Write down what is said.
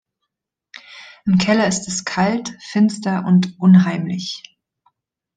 Im Keller ist es kalt, finster und unheimlich.